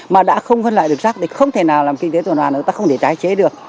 mà đã không phân loại được rác thì không thể nào làm kinh tế tuần hoàn ta không thể tái chế được